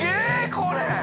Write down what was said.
これ。